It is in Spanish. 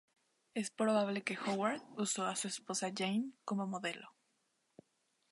Es probable que Hogarth usó a su esposa, Jane, como modelo.